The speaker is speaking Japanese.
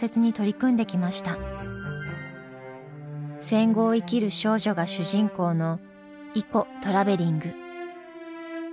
戦後を生きる少女が主人公の「イコトラベリング」。